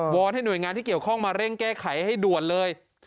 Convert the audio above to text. อนให้หน่วยงานที่เกี่ยวข้องมาเร่งแก้ไขให้ด่วนเลย